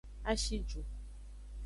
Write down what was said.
A shi ju.